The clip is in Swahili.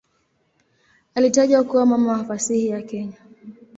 Alitajwa kuwa "mama wa fasihi ya Kenya".